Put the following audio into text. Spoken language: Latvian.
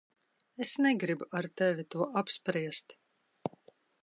Es negribu ar tevi to apspriest.